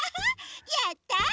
やった！